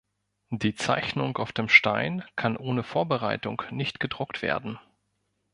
Die Zeichnung auf dem Stein kann ohne Vorbereitung nicht gedruckt werden.